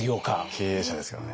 経営者ですからね。